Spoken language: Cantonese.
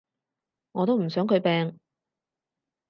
我都唔想佢病